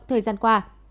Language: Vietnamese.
thời gian qua